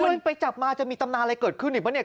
เพื่อนไปจับมาจะมีตำนานอะไรเกิดขึ้นหรือเปล่าเนี่ย